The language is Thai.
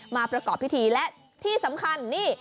ประกอบพิธีและที่สำคัญนี่